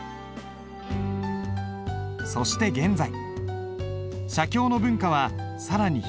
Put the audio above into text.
そして現在写経の文化は更に広がりを見せている。